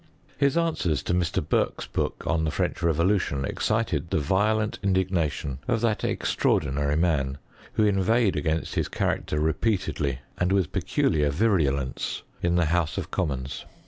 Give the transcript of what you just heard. His answer to Mr. Burke's book on the French revolution excited the violent indignation of that extraordinary man, who inveighed ^;ainst his character repeatedly, and with peculiar virulence, iu. the house of commons.